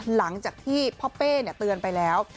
หลังจากที่พ่อเป้เตือนไปแล้ว